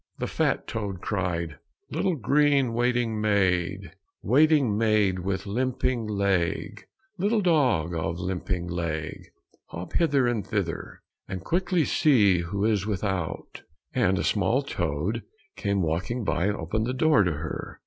The fat toad cried, "Little green waiting maid, Waiting maid with the limping leg, Little dog of the limping leg, Hop hither and thither, And quickly see who is without:" and a small toad came walking by and opened the door to her.